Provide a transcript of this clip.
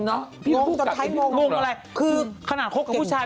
กลัวมาเรื่องนั้นใช่ไหม